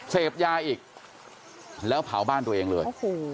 เสพยาอีกแล้วเผาบ้านตัวเองเลย